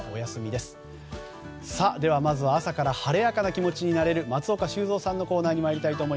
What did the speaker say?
ではまず朝から晴れやかな気持ちになれる松岡修造さんのコーナー。